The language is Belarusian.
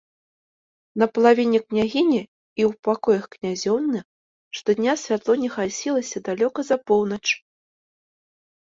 На палавіне княгіні і ў пакоях князёўны штодня святло не гасілася далёка за поўнач.